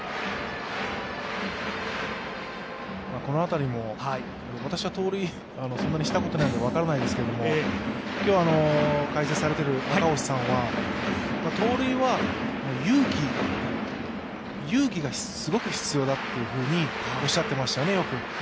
この辺りも、私は盗塁、そんなにしたことないので分からないんですけれども今日解説されている赤星さんは、盗塁は勇気がすごく必要だとよくおっしゃっていましたね。